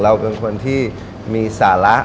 เราเป็นคนที่มีสาระ